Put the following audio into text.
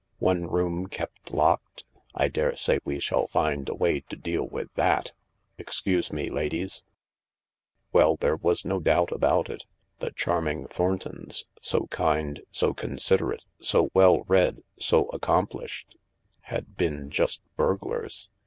One room kept locked ? I daresay we shall find a way to deal with that. Excuse me, ladies." •.••• Well, there was no doubt about it. The charming Thorn tons — so kind, so considerate, so well read, so accomplished had been just burglars.